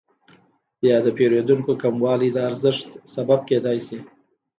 یا د پیرودونکو کموالی د ارزانښت سبب کیدای شي؟